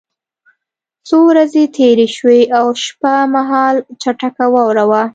څو ورځې تېرې شوې او شپه مهال چټکه واوره وه